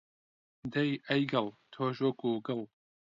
دەی ئەی گڵ، تۆش وەکو گڵ